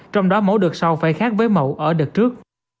trong đó mẫu được so với mẫu ở đợt trước